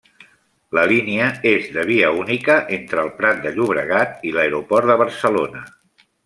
La línia és de via única entre El Prat de Llobregat i l'Aeroport de Barcelona.